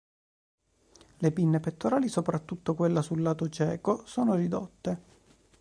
Le pinne pettorali, soprattutto quella sul lato cieco, sono ridotte.